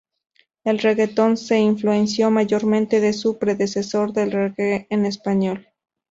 El reguetón se influenció mayormente de su predecesor el reggae en español.